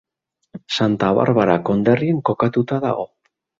Santa Barbara konderrian kokatua dago.